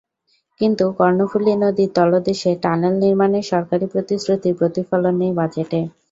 কিন্তু কর্ণফুলী নদীর তলদেশে টানেল নির্মাণের সরকারি প্রতিশ্রুতির প্রতিফলন নেই বাজেটে।